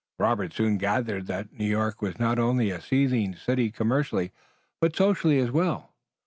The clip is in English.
Robert soon gathered that New York was not only a seething city commercially, but socially as well.